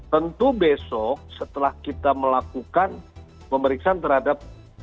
tentu besok setelah kita melakukan pemeriksaan terhadap